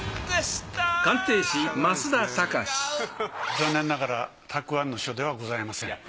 残念ながら沢庵の書ではございません。